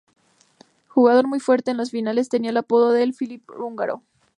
Jugador muy fuerte en los finales, tenía el apodo de el Philidor húngaro.